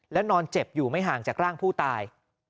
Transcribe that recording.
แล้วนอนเจ็บอยู่ไม่ห่างจากร่างผู้ตาย